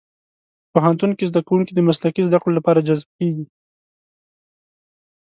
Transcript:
پوهنتون کې زدهکوونکي د مسلکي زدهکړو لپاره جذب کېږي.